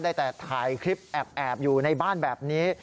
ได้แต่ถ่ายคลิปแอบอยู่ในบ้านแบบนี้